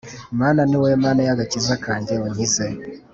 Mana ni wowe Mana y agakiza kanjye Unkize